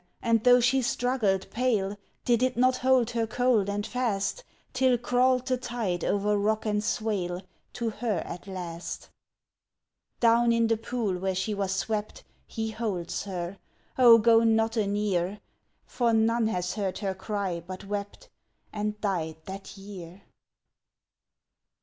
and tho' she struggled pale, Did it not hold her cold and fast, Till crawled the tide o'er rock and swale, To her at last? Down in the pool where she was swept He holds her Oh, go not a near! For none has heard her cry but wept And died that year.